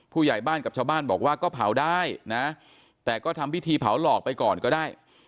ผู้ใหญ่บ้านกับชาวบ้านบอกว่าก็เผาได้นะแต่ก็ทำพิธีเผาหลอกไปก่อนก็ได้